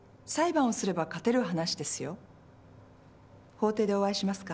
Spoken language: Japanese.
法廷でお会いしますか？